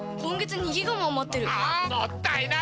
もったいない！